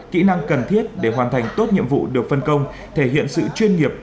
kỹ năng cần thiết để hoàn thành tốt nhiệm vụ được phân công thể hiện sự chuyên nghiệp